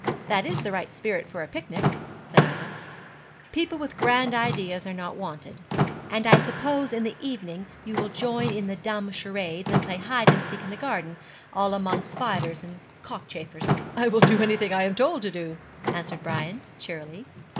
'That is the right spirit for a picnic,' said Ida, 'People with grand ideas are not wanted.' 'And I suppose in the evening you will join in the dumb charades, and play hide and seek in the garden, all among spiders and cockchafers.' 'I will do anything I am told to do,' answered Brian, cheerily.